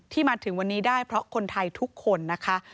มาถึงวันนี้ได้เพราะคนไทยทุกคนนะคะ